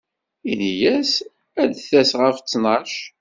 Ini-as ad d-tas ɣef ttnac.